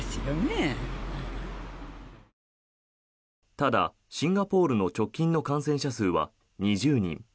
ただ、シンガポールの直近の感染者数は２０人。